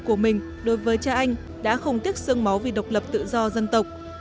của mình đối với cha anh đã không tiếc sương máu vì độc lập tự do dân tộc